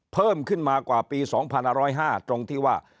เพิ่มขึ้นมากว่าปี๒๕๐๕ตรงที่ว่า